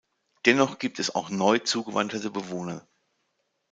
Dennoch gibt es auch neu zugewanderte Bewohner.